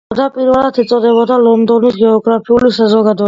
თავდაპირველად ეწოდებოდა „ლონდონის გეოგრაფიული საზოგადოება“.